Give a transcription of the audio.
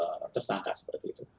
dan saya sangat bersangka seperti itu